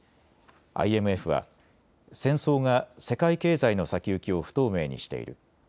ＩＭＦは戦争が世界経済の先行きを不透明にしている。